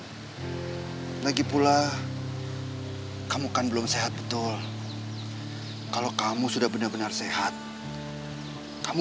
hai lagi pula kamu kan belum sehat betul kalau kamu sudah benar benar sehat kamu